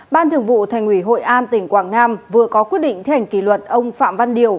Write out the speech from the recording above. ban thường vụ thành ủy hội an tỉnh quảng nam vừa có quyết định thi hành kỷ luật ông phạm văn điều